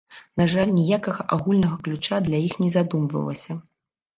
На жаль, ніякага агульнага ключа для іх не задумвалася.